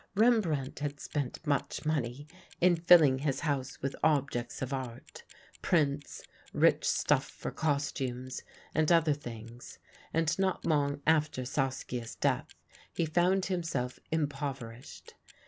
Rembrandt had spent much money in filling his house with objects of art, prints, rich stuffs for costumes, and other things and not long after Saskia's death he found himself impoverished.